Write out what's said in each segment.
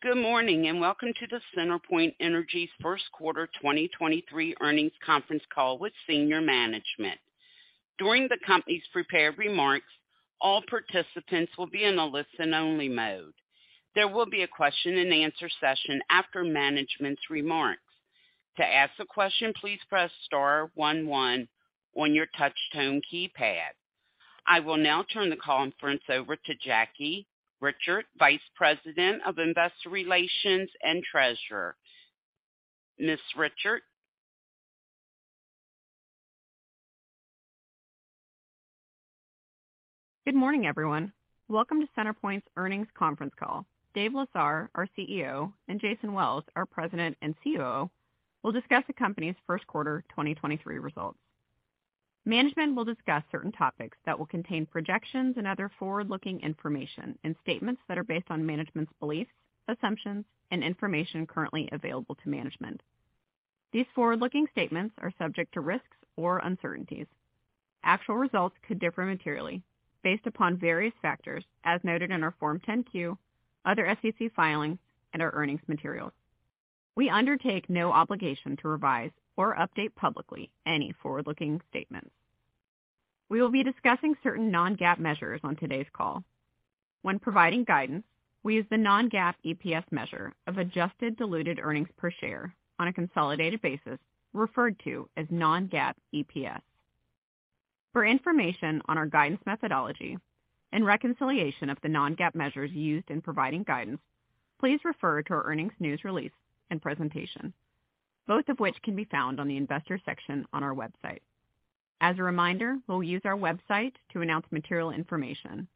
Good morning, welcome to CenterPoint Energy's first quarter 2023 earnings conference call with senior management. During the company's prepared remarks, all participants will be in a listen-only mode. There will be a question-and-answer session after management's remarks. To ask a question, please press star one one on your touchtone keypad. I will now turn the conference over to Jackie Richert, vice president of investor relations and treasurer. Ms. Richert? Good morning, everyone. Welcome to CenterPoint's earnings conference call. Dave Lesar, our CEO, and Jason Wells, our President and COO, will discuss the company's first quarter 2023 results. Management will discuss certain topics that will contain projections and other forward-looking information and statements that are based on management's beliefs, assumptions, and information currently available to management. These forward-looking statements are subject to risks or uncertainties. Actual results could differ materially based upon various factors as noted in our Form 10-Q, other SEC filings, and our earnings materials. We undertake no obligation to revise or update publicly any forward-looking statements. We will be discussing certain non-GAAP measures on today's call. When providing guidance, we use the non-GAAP EPS measure of adjusted diluted earnings per share on a consolidated basis, referred to as non-GAAP EPS. For information on our guidance methodology and reconciliation of the non-GAAP measures used in providing guidance, please refer to our earnings news release and presentation, both of which can be found on the investor section on our website. As a reminder, we'll use our website to announce material information.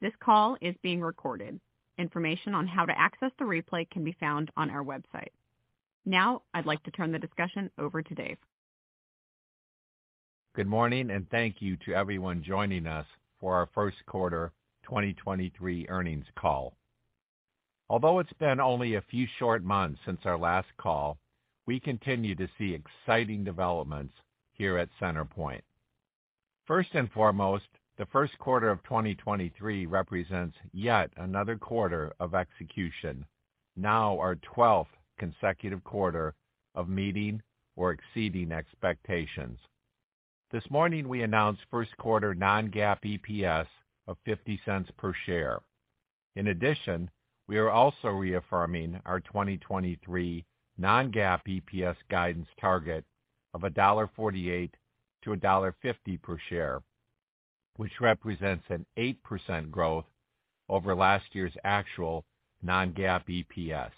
This call is being recorded. Information on how to access the replay can be found on our website. Now, I'd like to turn the discussion over to Dave. Good morning, thank you to everyone joining us for our first quarter 2023 earnings call. Although it's been only a few short months since our last call, we continue to see exciting developments here at CenterPoint. First and foremost, the first quarter of 2023 represents yet another quarter of execution, now our 12th consecutive quarter of meeting or exceeding expectations. This morning, we announced first quarter non-GAAP EPS of $0.50 per share. In addition, we are also reaffirming our 2023 non-GAAP EPS guidance target of $1.48 to $1.50 per share, which represents an 8% growth over last year's actual non-GAAP EPS.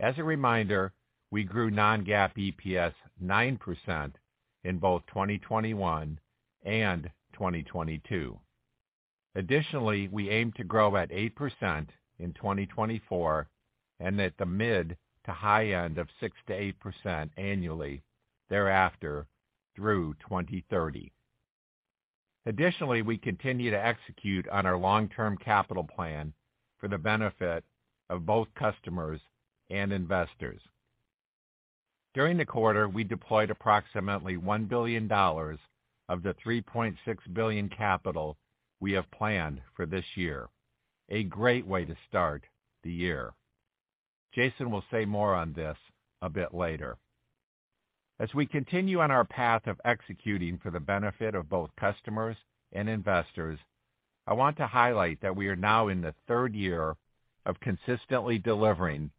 As a reminder, we grew non-GAAP EPS 9% in both 2021 and 2022. Additionally, we aim to grow at 8% in 2024 and at the mid to high end of 6%-8% annually thereafter through 2030. We continue to execute on our long-term capital plan for the benefit of both customers and investors. During the quarter, we deployed approximately $1 billion of the $3.6 billion capital we have planned for this year. A great way to start the year. Jason will say more on this a bit later. We continue on our path of executing for the benefit of both customers and investors, I want to highlight that we are now in the third year of consistently delivering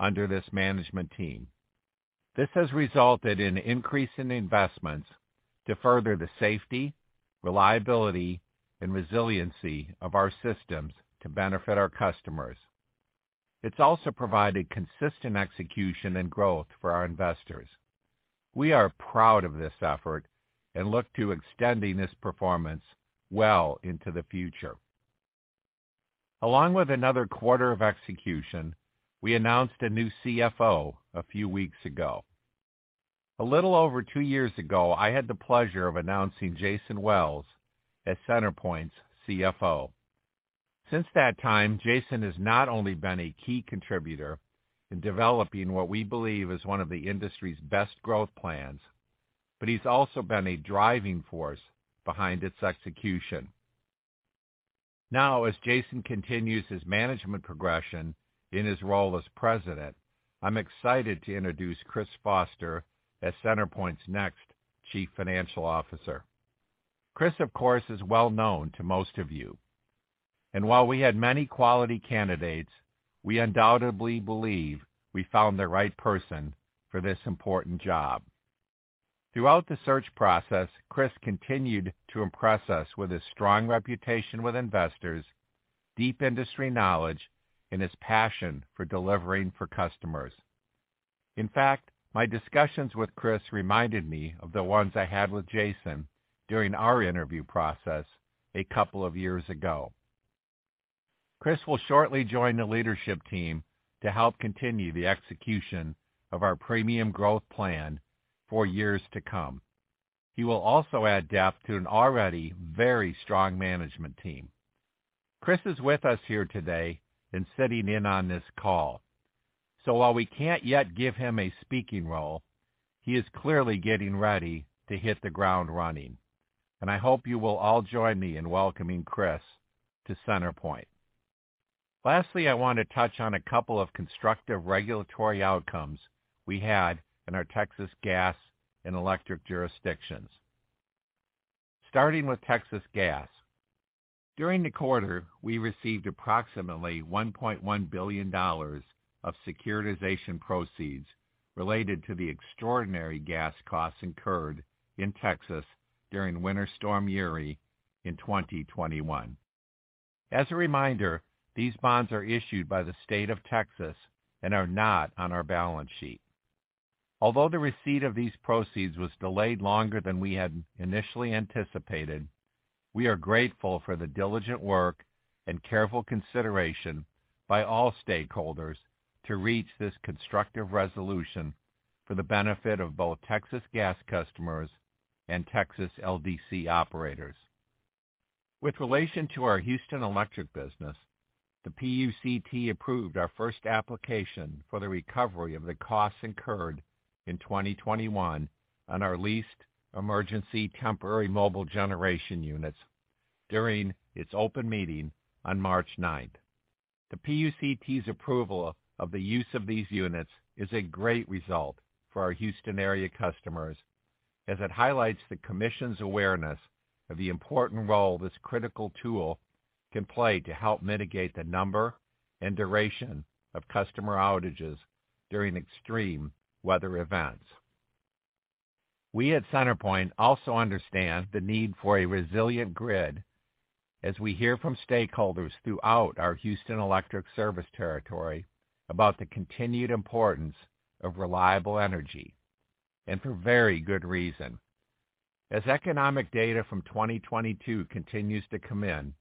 under this management team. This has resulted in increase in investments to further the safety, reliability, and resiliency of our systems to benefit our customers. It's also provided consistent execution and growth for our investors. We are proud of this effort and look to extending this performance well into the future. Along with another quarter of execution, we announced a new CFO a few weeks ago. A little over two years ago, I had the pleasure of announcing Jason Wells as CenterPoint's CFO. Since that time, Jason has not only been a key contributor in developing what we believe is one of the industry's best growth plans, but he's also been a driving force behind its execution. Now, as Jason continues his management progression in his role as president, I'm excited to introduce Chris Foster as CenterPoint's next Chief Financial Officer. Chris, of course, is well known to most of you, and while we had many quality candidates, we undoubtedly believe we found the right person for this important job. Throughout the search process, Chris continued to impress us with his strong reputation with investors, deep industry knowledge, and his passion for delivering for customers. In fact, my discussions with Chris reminded me of the ones I had with Jason during our interview process a couple of years ago. Chris will shortly join the leadership team to help continue the execution of our premium growth plan for years to come. He will also add depth to an already very strong management team. Chris is with us here today and sitting in on this call. While we can't yet give him a speaking role, he is clearly getting ready to hit the ground running. I hope you will all join me in welcoming Chris to CenterPoint. Lastly, I want to touch on a couple of constructive regulatory outcomes we had in our Texas Gas and electric jurisdictions. Starting with Texas Gas. During the quarter, we received approximately $1.1 billion of securitization proceeds related to the extraordinary gas costs incurred in Texas during Winter Storm Uri in 2021. As a reminder, these bonds are issued by the state of Texas and are not on our balance sheet. Although the receipt of these proceeds was delayed longer than we had initially anticipated, we are grateful for the diligent work and careful consideration by all stakeholders to reach this constructive resolution for the benefit of both Texas gas customers and Texas LDC operators. With relation to our Houston Electric business, the PUCT approved our first application for the recovery of the costs incurred in 2021 on our leased emergency temporary mobile generation units during its open meeting on March 9. The PUCT's approval of the use of these units is a great result for our Houston area customers as it highlights the Commission's awareness of the important role this critical tool can play to help mitigate the number and duration of customer outages during extreme weather events. We at CenterPoint also understand the need for a resilient grid as we hear from stakeholders throughout our Houston Electric service territory about the continued importance of reliable energy, and for very good reason. Economic data from 2022 continues to come in,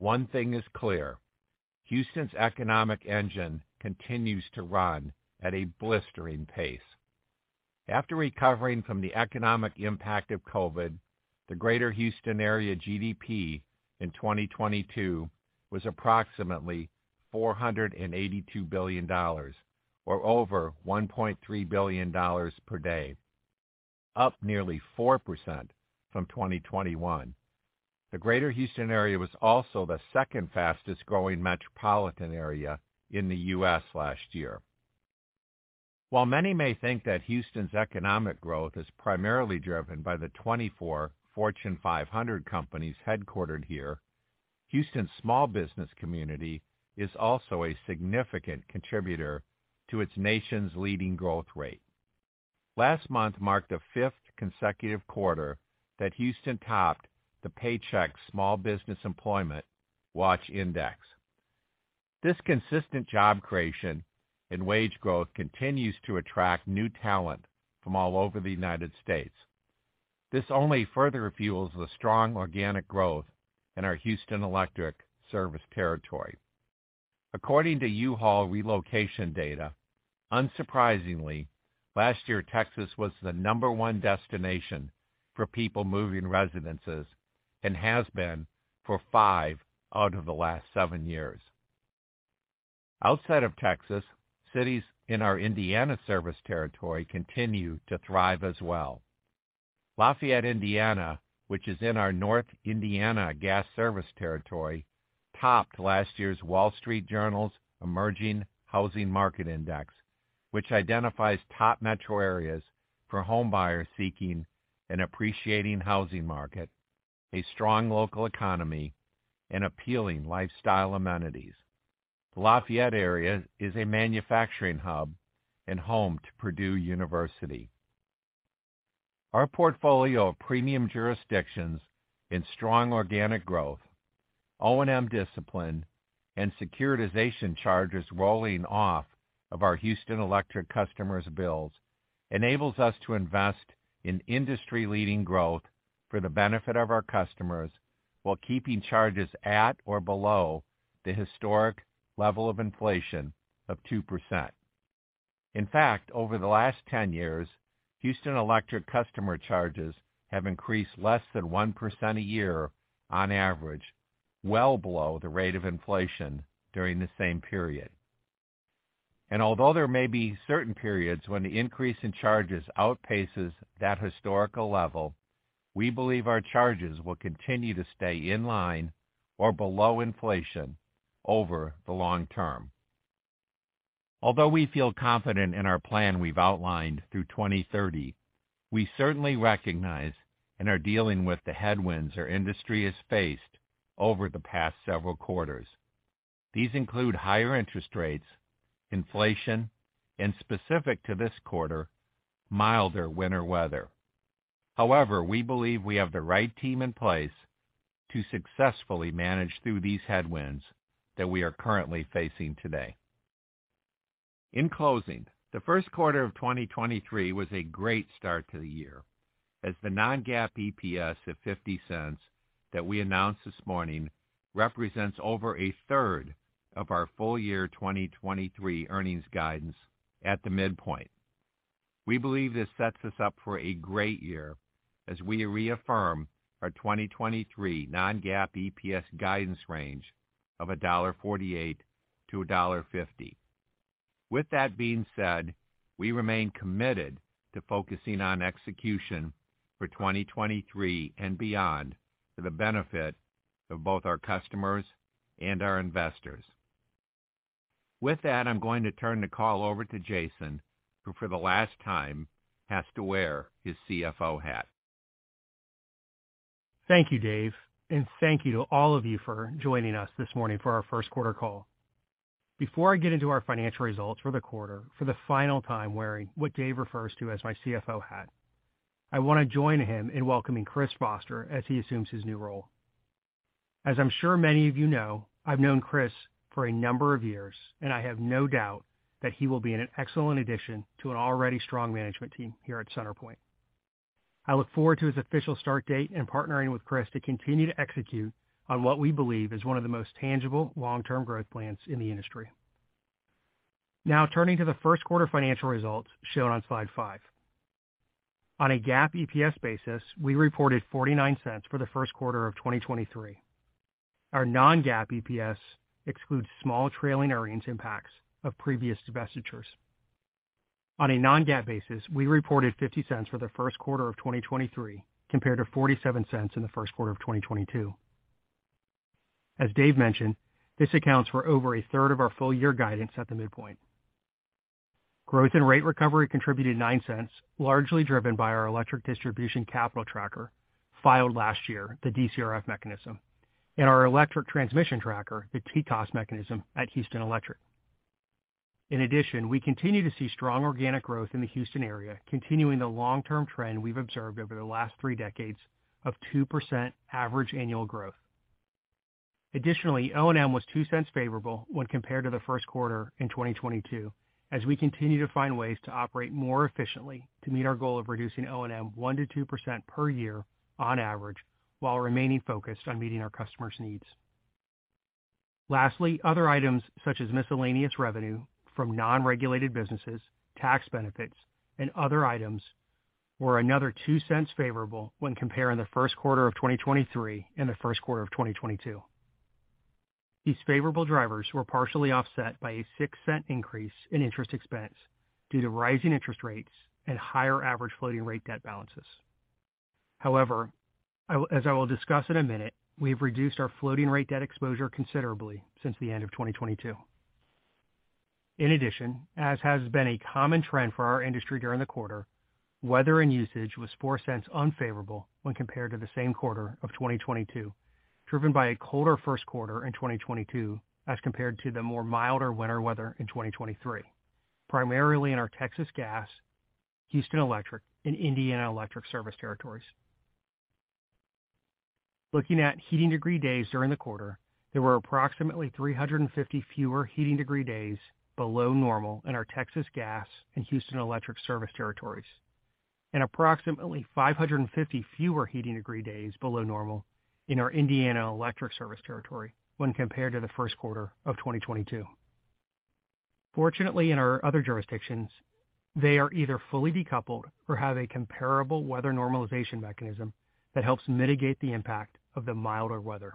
one thing is clear: Houston's economic engine continues to run at a blistering pace. After recovering from the economic impact of COVID, the greater Houston area GDP in 2022 was approximately $482 billion or over $1.3 billion per day, up nearly 4% from 2021. The greater Houston area was also the second fastest-growing metropolitan area in the U.S. last year. While many may think that Houston's economic growth is primarily driven by the 24 Fortune 500 companies headquartered here, Houston's small business community is also a significant contributor to its nation's leading growth rate. Last month marked the 5th consecutive quarter that Houston topped the Paychex Small Business Employment Watch Index. This consistent job creation and wage growth continues to attract new talent from all over the United States. This only further fuels the strong organic growth in our Houston Electric service territory. According to U-Haul relocation data, unsurprisingly, last year, Texas was the number one destination for people moving residences and has been for 5 out of the last 7 years. Outside of Texas, cities in our Indiana service territory continue to thrive as well. Lafayette, Indiana, which is in our North Indiana gas service territory, topped last year's Wall Street Journal's Emerging Housing Markets Index, which identifies top metro areas for home buyers seeking an appreciating housing market, a strong local economy, and appealing lifestyle amenities. The Lafayette area is a manufacturing hub and home to Purdue University. Our portfolio of premium jurisdictions in strong organic growth, O&M discipline, and securitization charges rolling off of our Houston Electric customers' bills enables us to invest in industry-leading growth for the benefit of our customers while keeping charges at or below the historic level of inflation of 2%. In fact, over the last 10 years, Houston Electric customer charges have increased less than 1% a year on average, well below the rate of inflation during the same period. Although there may be certain periods when the increase in charges outpaces that historical level, we believe our charges will continue to stay in line or below inflation over the long term. Although we feel confident in our plan we've outlined through 2030, we certainly recognize and are dealing with the headwinds our industry has faced over the past several quarters. These include higher interest rates, inflation, and specific to this quarter, milder winter weather. However, we believe we have the right team in place to successfully manage through these headwinds that we are currently facing today. In closing, the first quarter of 2023 was a great start to the year as the non-GAAP EPS of $0.50 that we announced this morning represents over a third of our full year 2023 earnings guidance at the midpoint. We believe this sets us up for a great year as we reaffirm our 2023 non-GAAP EPS guidance range of $1.48 to $1.50. With that being said, we remain committed to focusing on execution for 2023 and beyond for the benefit of both our customers and our investors. With that, I'm going to turn the call over to Jason, who for the last time has to wear his CFO hat. Thank you, Dave, thank you to all of you for joining us this morning for our first quarter call. Before I get into our financial results for the quarter, for the final time, wearing what Dave refers to as my CFO hat, I want to join him in welcoming Chris Foster as he assumes his new role. As I'm sure many of you know, I've known Chris for a number of years, I have no doubt that he will be an excellent addition to an already strong management team here at CenterPoint. I look forward to his official start date partnering with Chris to continue to execute on what we believe is one of the most tangible long-term growth plans in the industry. Now turning to the first quarter financial results shown on slide 5. On a GAAP EPS basis, we reported $0.49 for the first quarter of 2023. Our non-GAAP EPS excludes small trailing earnings impacts of previous divestitures. On a non-GAAP basis, we reported $0.50 for the first quarter of 2023, compared to $0.47 in the first quarter of 2022. As Dave mentioned, this accounts for over a third of our full year guidance at the midpoint. Growth and rate recovery contributed $0.09, largely driven by our electric distribution capital tracker filed last year, the DCRF mechanism, and our electric transmission tracker, the TCRF mechanism at Houston Electric. In addition, we continue to see strong organic growth in the Houston area, continuing the long-term trend we've observed over the last three decades of 2% average annual growth. O&M was $0.02 favorable when compared to the first quarter in 2022 as we continue to find ways to operate more efficiently to meet our goal of reducing O&M 1%-2% per year on average, while remaining focused on meeting our customers' needs. Other items such as miscellaneous revenue from non-regulated businesses, tax benefits, and other items were another $0.02 favorable when comparing the first quarter of 2023 and the first quarter of 2022. These favorable drivers were partially offset by a $0.06 increase in interest expense due to rising interest rates and higher average floating rate debt balances. As I will discuss in a minute, we've reduced our floating rate debt exposure considerably since the end of 2022. In addition, as has been a common trend for our industry during the quarter, weather and usage was $0.04 unfavorable when compared to the same quarter of 2022, driven by a colder first quarter in 2022 as compared to the more milder winter weather in 2023, primarily in our Texas Gas, Houston Electric and Indiana Electric service territories. Looking at heating degree days during the quarter, there were approximately 350 fewer heating degree days below normal in our Texas Gas and Houston Electric service territories, and approximately 550 fewer heating degree days below normal in our Indiana Electric service territory when compared to the first quarter of 2022. Fortunately, in our other jurisdictions, they are either fully decoupled or have a comparable weather normalization mechanism that helps mitigate the impact of the milder weather.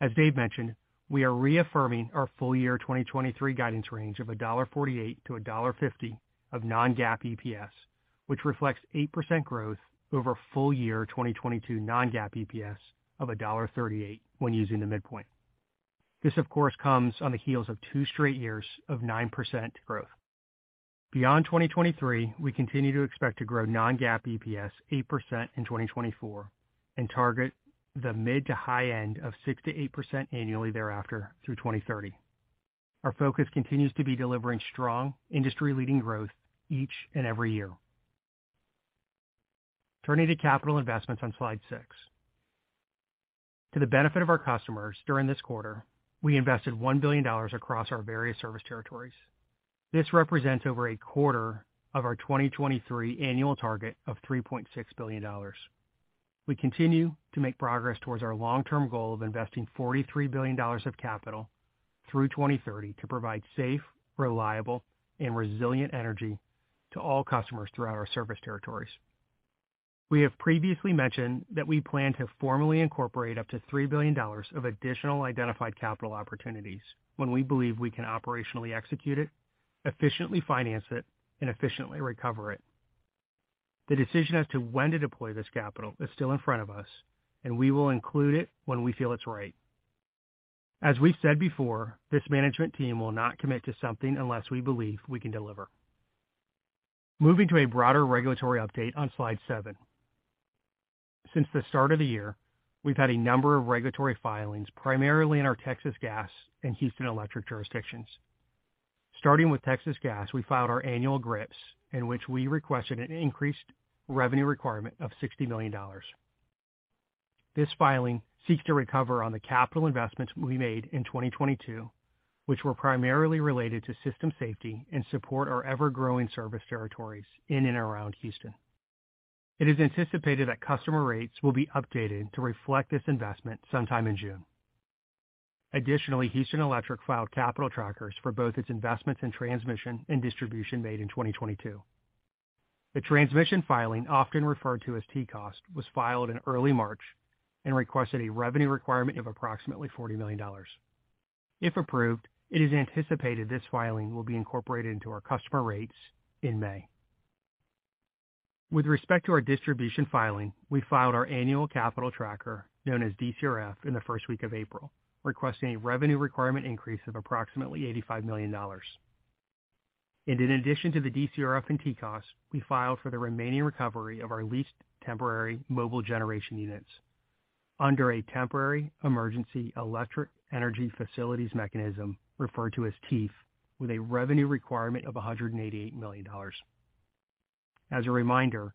As Dave mentioned, we are reaffirming our full year 2023 guidance range of $1.48-$1.50 of non-GAAP EPS, which reflects 8% growth over full year 2022 non-GAAP EPS of $1.38 when using the midpoint. This, of course, comes on the heels of 2 straight years of 9% growth. Beyond 2023, we continue to expect to grow non-GAAP EPS 8% in 2024, and target the mid to high end of 6%-8% annually thereafter through 2030. Our focus continues to be delivering strong industry-leading growth each and every year. Turning to capital investments on slide 6. To the benefit of our customers, during this quarter, we invested $1 billion across our various service territories. This represents over a quarter of our 2023 annual target of $3.6 billion. We continue to make progress towards our long-term goal of investing $43 billion of capital through 2030 to provide safe, reliable, and resilient energy to all customers throughout our service territories. We have previously mentioned that we plan to formally incorporate up to $3 billion of additional identified capital opportunities when we believe we can operationally execute it, efficiently finance it, and efficiently recover it. The decision as to when to deploy this capital is still in front of us and we will include it when we feel it's right. As we said before, this management team will not commit to something unless we believe we can deliver. Moving to a broader regulatory update on Slide 7. Since the start of the year, we've had a number of regulatory filings, primarily in our Texas Gas and Houston Electric jurisdictions. Starting with Texas Gas, we filed our annual GRIP in which we requested an increased revenue requirement of $60 million. This filing seeks to recover on the capital investments we made in 2022, which were primarily related to system safety and support our ever-growing service territories in and around Houston. It is anticipated that customer rates will be updated to reflect this investment sometime in June. Additionally, Houston Electric filed capital trackers for both its investments in transmission and distribution made in 2022. The transmission filing, often referred to as TCRF, was filed in early March and requested a revenue requirement of approximately $40 million. If approved, it is anticipated this filing will be incorporated into our customer rates in May. With respect to our distribution filing, we filed our annual capital tracker, known as DCRF, in the first week of April, requesting a revenue requirement increase of approximately $85 million. In addition to the DCRF and TCRF, we filed for the remaining recovery of our leased temporary mobile generation units under a temporary emergency electric energy facilities mechanism, referred to as TEEF, with a revenue requirement of $188 million. As a reminder,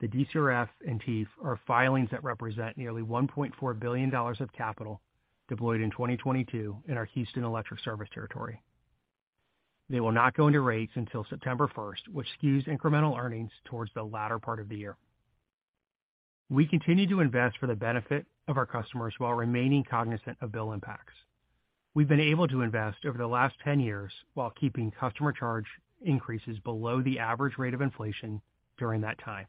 the DCRF and TEEF are filings that represent nearly $1.4 billion of capital deployed in 2022 in our Houston Electric service territory. They will not go into rates until September first, which skews incremental earnings towards the latter part of the year. We continue to invest for the benefit of our customers while remaining cognizant of bill impacts. We've been able to invest over the last 10 years while keeping customer charge increases below the average rate of inflation during that time.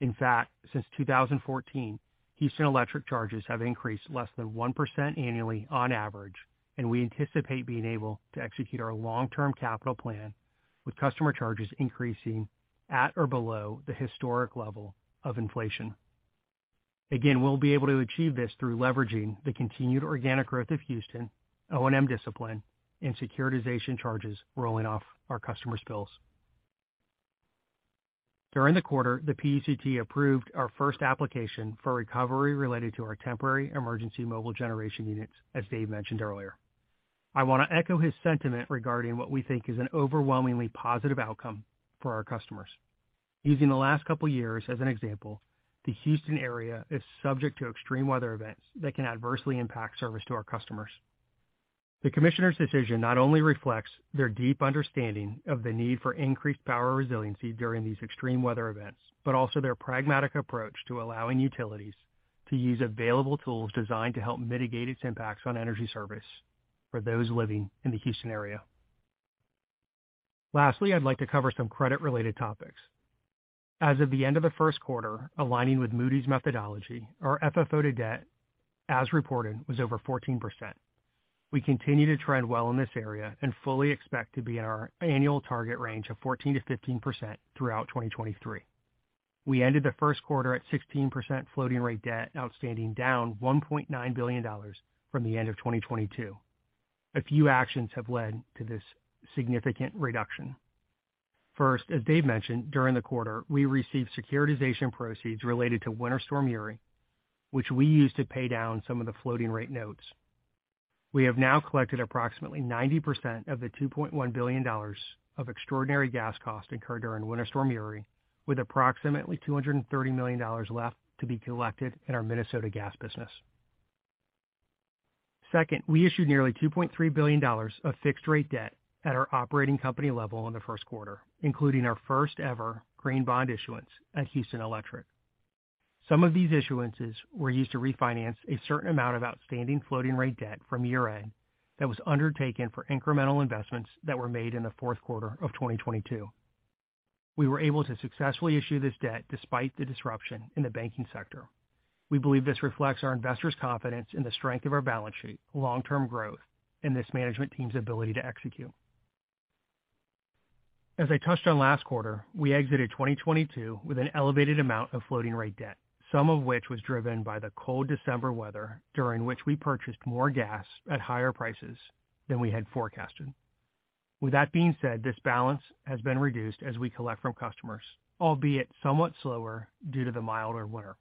In fact, since 2014, Houston Electric charges have increased less than 1% annually on average. We anticipate being able to execute our long-term capital plan with customer charges increasing at or below the historic level of inflation. Again, we'll be able to achieve this through leveraging the continued organic growth of Houston, O&M discipline, and securitization charges rolling off our customers' bills. During the quarter, the PUCT approved our first application for recovery related to our temporary emergency mobile generation units, as Dave mentioned earlier. I want to echo his sentiment regarding what we think is an overwhelmingly positive outcome for our customers. Using the last couple years as an example, the Houston area is subject to extreme weather events that can adversely impact service to our customers. The commissioner's decision not only reflects their deep understanding of the need for increased power resiliency during these extreme weather events, but also their pragmatic approach to allowing utilities to use available tools designed to help mitigate its impacts on energy service for those living in the Houston area. Lastly, I'd like to cover some credit-related topics. As of the end of the first quarter, aligning with Moody's methodology, our FFO to debt as reported was over 14%. We continue to trend well in this area and fully expect to be in our annual target range of 14%-15% throughout 2023. We ended the first quarter at 16% floating rate debt outstanding, down $1.9 billion from the end of 2022. A few actions have led to this significant reduction. First, as Dave mentioned, during the quarter, we received securitization proceeds related to Winter Storm Uri, which we used to pay down some of the floating rate notes. We have now collected approximately 90% of the $2.1 billion of extraordinary gas costs incurred during Winter Storm Uri, with approximately $230 million left to be collected in our Minnesota gas business. Second, we issued nearly $2.3 billion of fixed-rate debt at our operating company level in the first quarter, including our first-ever green bond issuance at Houston Electric. Some of these issuances were used to refinance a certain amount of outstanding floating rate debt from year-end that was undertaken for incremental investments that were made in the fourth quarter of 2022. We were able to successfully issue this debt despite the disruption in the banking sector. We believe this reflects our investors' confidence in the strength of our balance sheet, long-term growth, and this management team's ability to execute. As I touched on last quarter, we exited 2022 with an elevated amount of floating rate debt, some of which was driven by the cold December weather during which we purchased more gas at higher prices than we had forecasted. With that being said, this balance has been reduced as we collect from customers, albeit somewhat slower due to the milder winter.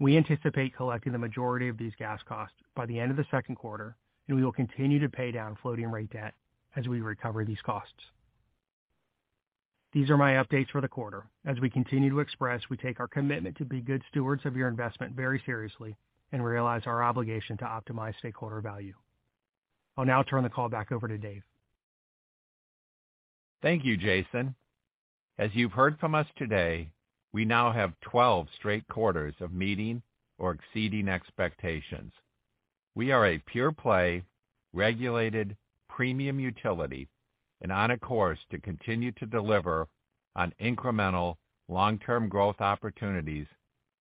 We anticipate collecting the majority of these gas costs by the end of the second quarter. We will continue to pay down floating rate debt as we recover these costs. These are my updates for the quarter. As we continue to express, we take our commitment to be good stewards of your investment very seriously and realize our obligation to optimize stakeholder value. I'll now turn the call back over to Dave. Thank you, Jason. As you've heard from us today, we now have 12 straight quarters of meeting or exceeding expectations. We are a pure play, regulated premium utility and on a course to continue to deliver on incremental long-term growth opportunities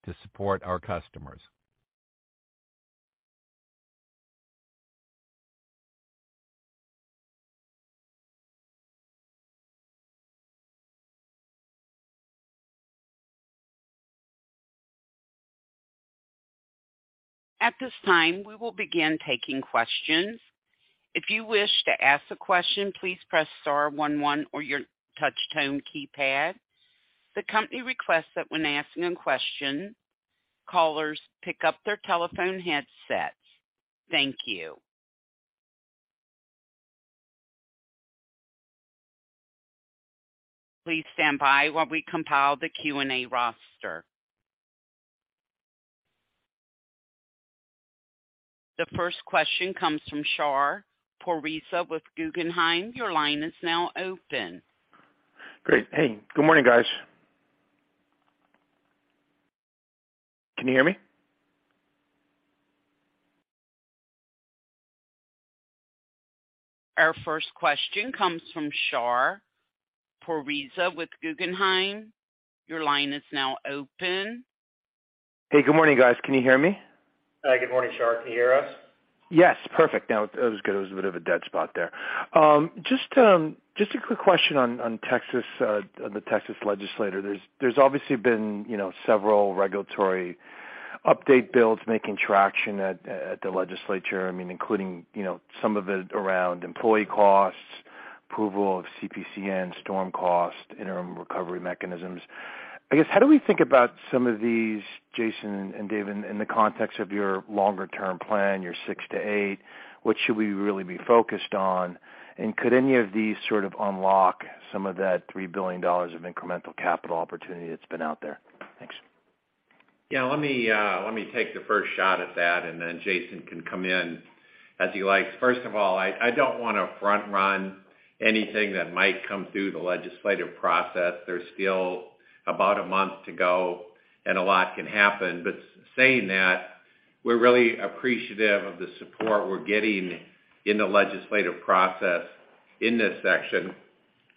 to support our customers. At this time, we will begin taking questions. If you wish to ask a question, please press star 11 on your touch tone keypad. The company requests that when asking a question, callers pick up their telephone headsets. Thank you. Please stand by while we compile the Q&A roster. The first question comes from Shar Pourreza with Guggenheim. Your line is now open. Great. Hey, good morning, guys. Can you hear me? Our first question comes from Shar Pourreza with Guggenheim. Your line is now open. Hey, good morning, guys. Can you hear me? Good morning, Shar. Can you hear us? Yes. Perfect. Now, it was good. It was a bit of a dead spot there. Just a quick question on Texas, on the Texas Legislature. There's obviously been, you know, several regulatory update bills making traction at the Legislature. I mean, including, you know, some of it around employee costs, approval of CPCN, storm cost, interim recovery mechanisms. I guess, how do we think about some of these, Jason and Dave, in the context of your longer-term plan, your six to eight? What should we really be focused on? Could any of these sort of unlock some of that $3 billion of incremental capital opportunity that's been out there? Thanks. Yeah. Let me, let me take the first shot at that. Jason can come in as he likes. First of all, I don't wanna front run anything that might come through the legislative process. There's still about a month to go, and a lot can happen. Saying that, we're really appreciative of the support we're getting in the legislative process in this section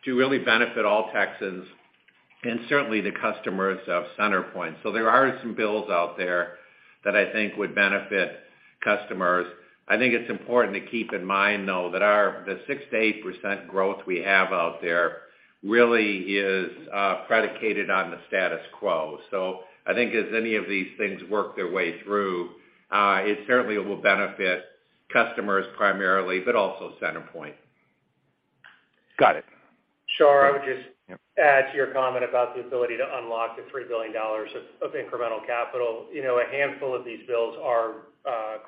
to really benefit all Texans and certainly the customers of CenterPoint. There are some bills out there that I think would benefit customers. I think it's important to keep in mind, though, that our the 6%-8% growth we have out there really is predicated on the status quo. I think as any of these things work their way through, it certainly will benefit customers primarily, but also CenterPoint. Got it. Shar, I would just add to your comment about the ability to unlock the $3 billion of incremental capital. You know, a handful of these bills are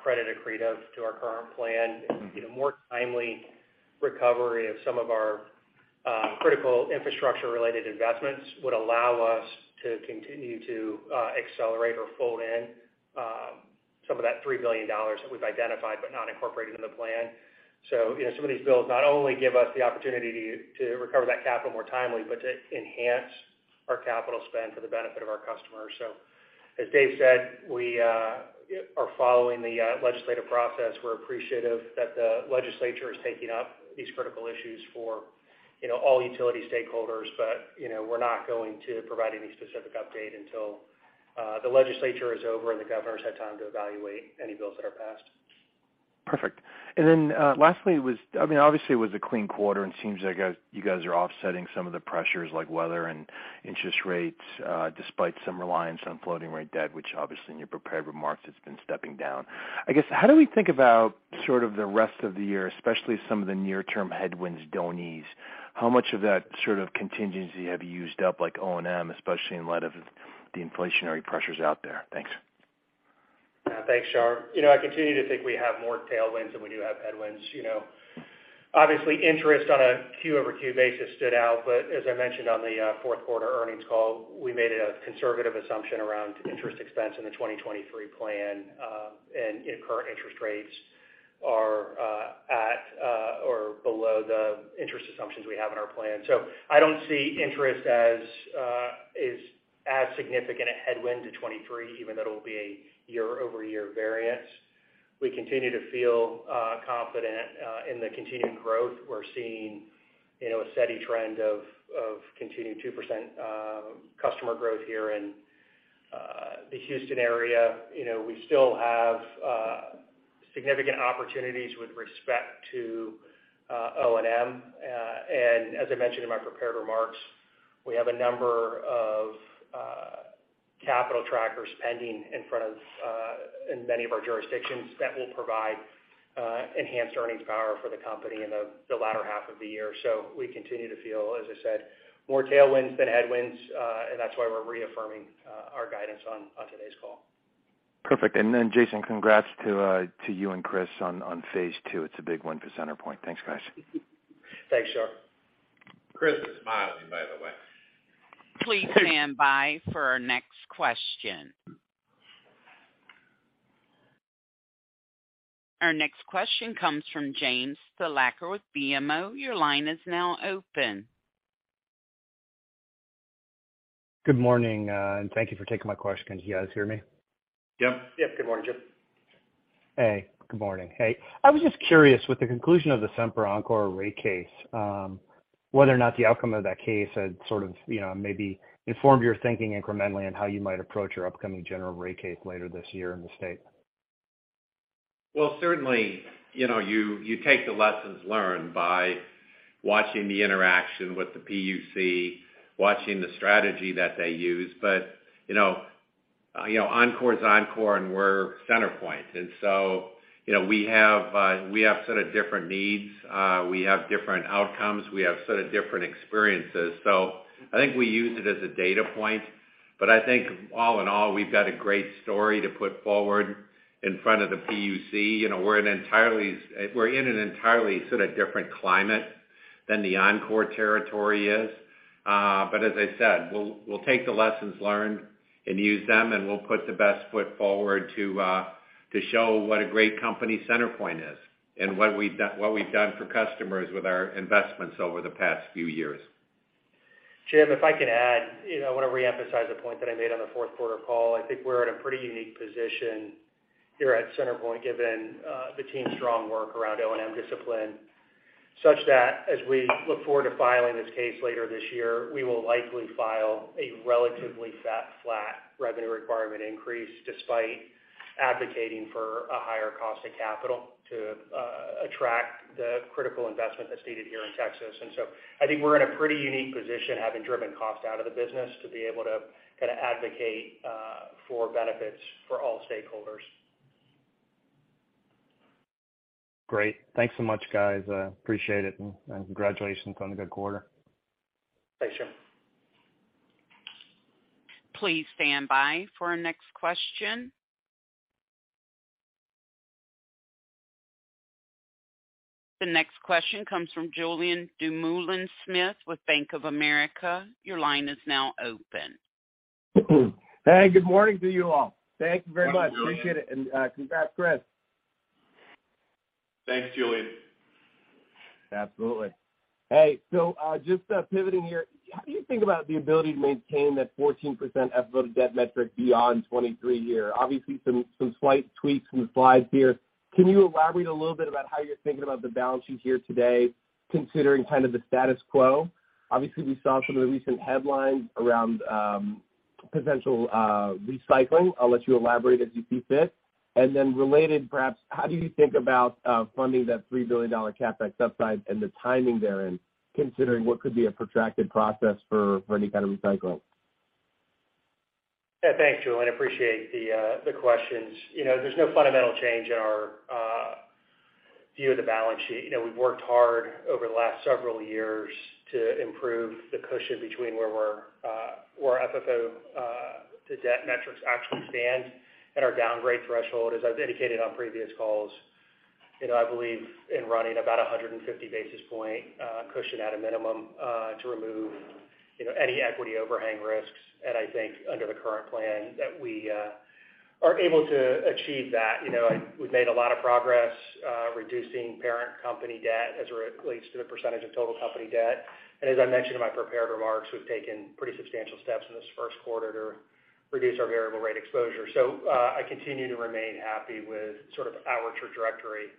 credit accretive to our current plan. You know, more timely recovery of some of our critical infrastructure-related investments would allow us to continue to accelerate or fold in some of that $3 billion that we've identified, but not incorporated in the plan. You know, some of these bills not only give us the opportunity to recover that capital more timely, but to enhance our capital spend for the benefit of our customers. As Dave said, we are following the legislative process. We're appreciative that the legislature is taking up these critical issues for, you know, all utility stakeholders. You know, we're not going to provide any specific update until the legislature is over and the governor's had time to evaluate any bills that are passed. Perfect. Lastly, I mean, obviously, it was a clean quarter, and it seems like you guys are offsetting some of the pressures like weather and interest rates, despite some reliance on floating rate debt, which obviously in your prepared remarks, it's been stepping down. I guess, how do we think about sort of the rest of the year, especially some of the near-term headwinds don't ease? How much of that sort of contingency have you used up, like O&M, especially in light of the inflationary pressures out there? Thanks. Thanks, Shar. You know, I continue to think we have more tailwinds than we do have headwinds. You know, obviously, interest on a Q over Q basis stood out, but as I mentioned on the fourth quarter earnings call, we made a conservative assumption around interest expense in the 2023 plan. Current interest rates are at or below the interest assumptions we have in our plan. I don't see interest as is as significant a headwind to 2023, even though it'll be a year-over-year variance. We continue to feel confident in the continued growth. We're seeing, you know, a steady trend of continued 2% customer growth here in the Houston area. You know, we still have significant opportunities with respect to O&M. As I mentioned in my prepared remarks, we have a number of capital trackers pending in front of in many of our jurisdictions that will provide enhanced earnings power for the company in the latter half of the year. We continue to feel, as I said, more tailwinds than headwinds, and that's why we're reaffirming our guidance on today's call. Perfect. Jason, congrats to you and Chris on phase two. It's a big one for CenterPoint. Thanks, guys. Thanks, Shar. Chris is smiling, by the way. Please stand by for our next question. Our next question comes from James Thalacker with BMO. Your line is now open. Good morning. Thank you for taking my question. Can you guys hear me? Yep. Yep. Good morning, Jim. Hey, good morning. Hey, I was just curious, with the conclusion of the Sempra Oncor rate case, whether or not the outcome of that case had sort of, you know, maybe informed your thinking incrementally on how you might approach your upcoming general rate case later this year in the state? Well, certainly, you know, you take the lessons learned by watching the interaction with the PUC, watching the strategy that they use. You know, Oncor's Oncor and we're CenterPoint. You know, we have sort of different needs. We have different outcomes. We have sort of different experiences. I think we use it as a data point, but I think all in all, we've got a great story to put forward in front of the PUC. You know, we're in an entirely sort of different climate than the Oncor territory is. As I said, we'll take the lessons learned and use them, and we'll put the best foot forward to show what a great company CenterPoint is and what we've done for customers with our investments over the past few years. Jim, if I could add, you know, I want to reemphasize the point that I made on the fourth quarter call. I think we're in a pretty unique position here at CenterPoint, given the team's strong work around O&M discipline, such that as we look forward to filing this case later this year, we will likely file a relatively flat revenue requirement increase despite advocating for a higher cost of capital to attract the critical investment that's needed here in Texas. I think we're in a pretty unique position, having driven cost out of the business to be able to kind of advocate for benefits for all stakeholders. Great. Thanks so much, guys. I appreciate it and congratulations on a good quarter. Thanks, Jim. Please stand by for our next question. The next question comes from Julien Dumoulin-Smith with Bank of America. Your line is now open. Good morning to you all. Thank you very much. Thanks, Julien. Appreciate it. Congrats, Jason. Thanks, Julien. Absolutely. Hey, just pivoting here, how do you think about the ability to maintain that 14% FFO to debt metric beyond 2023 year? Obviously some slight tweaks from the slides here. Can you elaborate a little bit about how you're thinking about the balance sheet here today, considering kind of the status quo? Obviously, we saw some of the recent headlines around potential recycling. I'll let you elaborate as you see fit. Related, perhaps, how do you think about funding that $3 billion CapEx upside and the timing therein, considering what could be a protracted process for any kind of recycling? Yeah. Thanks, Julien. Appreciate the questions. You know, there's no fundamental change in our view of the balance sheet. You know, we've worked hard over the last several years to improve the cushion between where we're where FFO to debt metrics actually stand and our downgrade threshold. As I've indicated on previous calls, you know, I believe in running about a 150 basis point cushion at a minimum to remove, you know, any equity overhang risks. I think under the current plan that we are able to achieve that. You know, we've made a lot of progress reducing parent company debt as it relates to the percentage of total company debt. As I mentioned in my prepared remarks, we've taken pretty substantial steps in this first quarter to reduce our variable rate exposure. I continue to remain happy with sort of our trajectory.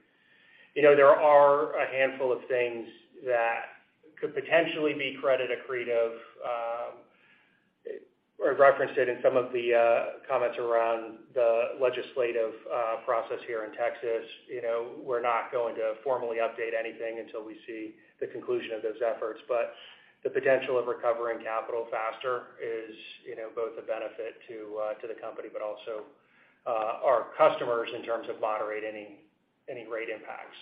You know, there are a handful of things that could potentially be credit accretive, referenced it in some of the comments around the legislative process here in Texas. You know, we're not going to formally update anything until we see the conclusion of those efforts, but the potential of recovering capital faster is, you know, both a benefit to the company, but also our customers in terms of moderating any rate impacts.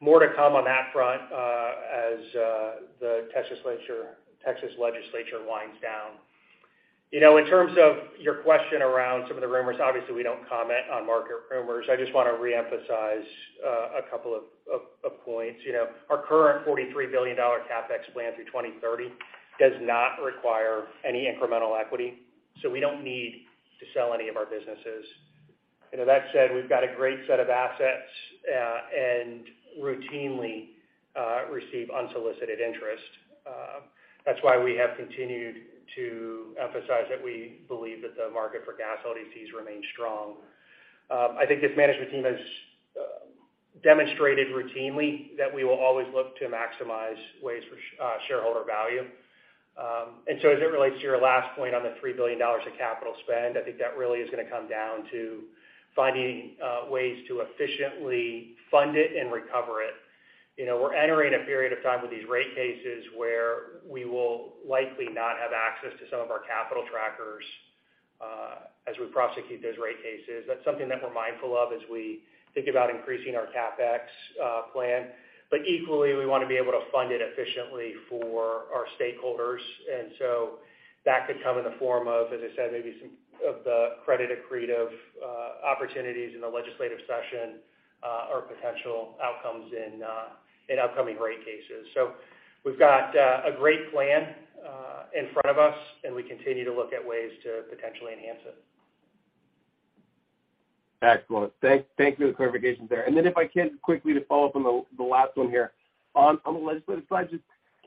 More to come on that front as the Texas legislature winds down. You know, in terms of your question around some of the rumors, obviously, we don't comment on market rumors. I just want to reemphasize a couple of points. You know, our current $43 billion CapEx plan through 2030 does not require any incremental equity, we don't need to sell any of our businesses. You know, that said, we've got a great set of assets, and routinely receive unsolicited interest. That's why we have continued to emphasize that we believe that the market for gas LDCs remains strong. I think this management team has demonstrated routinely that we will always look to maximize ways for shareholder value. As it relates to your last point on the $3 billion of capital spend, I think that really is going to come down to finding ways to efficiently fund it and recover it. You know, we're entering a period of time with these rate cases where we will likely not have access to some of our capital trackers, as we prosecute those rate cases. That's something that we're mindful of as we think about increasing our CapEx plan. Equally, we want to be able to fund it efficiently for our stakeholders. That could come in the form of, as I said, maybe some of the credit accretive opportunities in the legislative session, or potential outcomes in upcoming rate cases. We've got a great plan in front of us, and we continue to look at ways to potentially enhance it. Excellent. Thank you for the clarifications there. Then if I can quickly to follow up on the last one here. On the legislative side,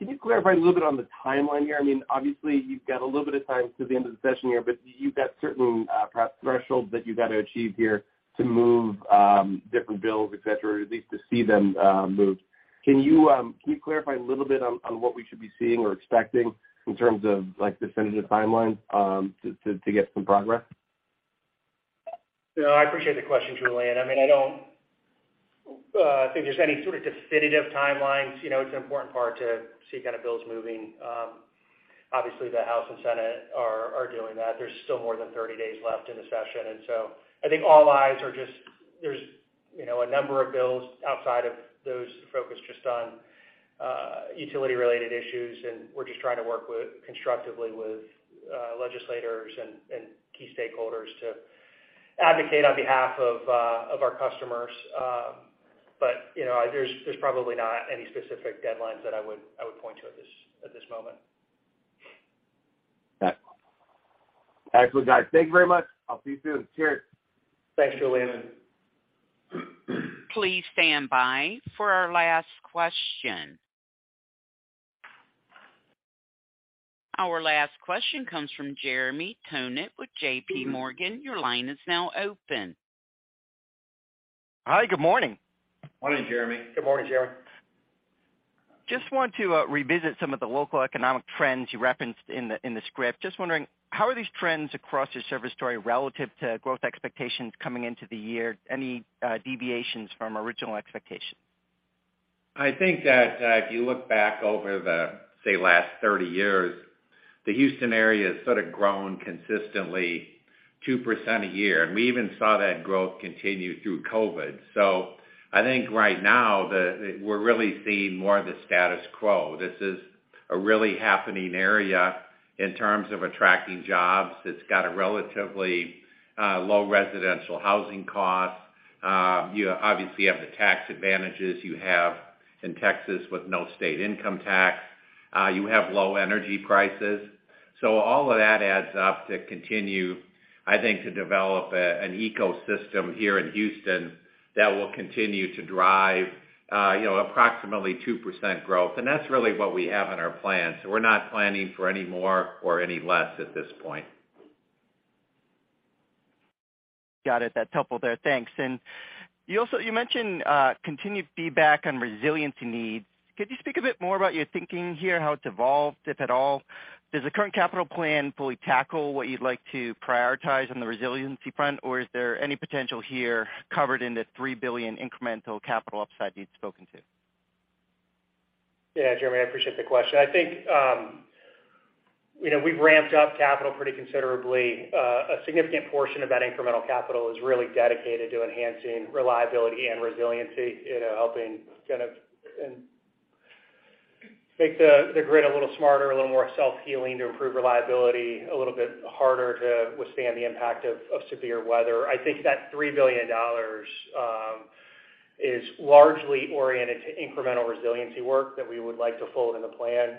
just can you clarify a little bit on the timeline here? I mean, obviously you've got a little bit of time to the end of the session here, but you've got certain perhaps thresholds that you've got to achieve here to move different bills, et cetera, or at least to see them move. Can you clarify a little bit on what we should be seeing or expecting in terms of like definitive timelines to get some progress? No, I appreciate the question, Julien. I mean, I don't think there's any sort of definitive timelines. You know, it's an important part to see kind of bills moving. Obviously, the House and Senate are doing that. There's still more than 30 days left in the session, I think all eyes are just, there's, you know, a number of bills outside of those focused just on utility-related issues, and we're just trying to work constructively with legislators and key stakeholders to advocate on behalf of our customers. You know, there's probably not any specific deadlines that I would point to at this, at this moment. Excellent, guys. Thank you very much. I'll see you soon. Cheers. Thanks, Julien. Please stand by for our last question. Our last question comes from Jeremy Tonet with JPMorgan. Your line is now open. Hi. Good morning. Morning, Jeremy. Good morning, Jeremy. Just want to revisit some of the local economic trends you referenced in the script. Just wondering, how are these trends across your service territory relative to growth expectations coming into the year? Any deviations from original expectations? I think that, if you look back over the, say, last 30 years, the Houston area has sort of grown consistently 2% a year. We even saw that growth continue through COVID. I think right now we're really seeing more of the status quo. This is a really happening area in terms of attracting jobs. It's got a relatively low residential housing cost. You obviously have the tax advantages you have in Texas with no state income tax. You have low energy prices. All of that adds up to continue, I think, to develop an ecosystem here in Houston that will continue to drive, you know, approximately 2% growth. That's really what we have in our plan. We're not planning for any more or any less at this point. Got it. That's helpful there. Thanks. You mentioned continued feedback on resiliency needs. Could you speak a bit more about your thinking here, how it's evolved, if at all? Does the current capital plan fully tackle what you'd like to prioritize on the resiliency front, or is there any potential here covered in the $3 billion incremental capital upside you'd spoken to? Yeah. Jeremy, I appreciate the question. I think, you know, we've ramped up capital pretty considerably. A significant portion of that incremental capital is really dedicated to enhancing reliability and resiliency, you know, helping kind of and make the grid a little smarter, a little more self-healing to improve reliability, a little bit harder to withstand the impact of severe weather. I think that $3 billion is largely oriented to incremental resiliency work that we would like to fold in the plan,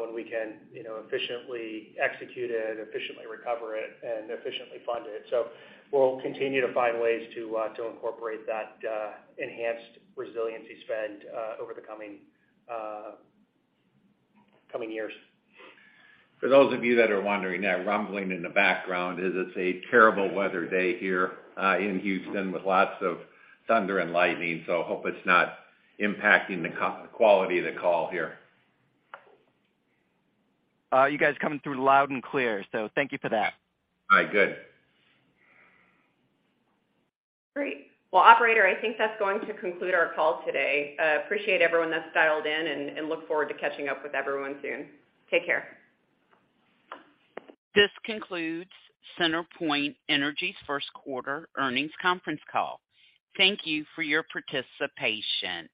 when we can, you know, efficiently execute it, efficiently recover it, and efficiently fund it. We'll continue to find ways to incorporate that enhanced resiliency spend over the coming years. For those of you that are wondering, that rumbling in the background is it's a terrible weather day here, in Houston with lots of thunder and lightning. Hope it's not impacting the quality of the call here. You guys are coming through loud and clear, so thank you for that. All right. Good. Great. Well, operator, I think that's going to conclude our call today. Appreciate everyone that's dialed in and look forward to catching up with everyone soon. Take care. This concludes CenterPoint Energy's first quarter earnings conference call. Thank you for your participation.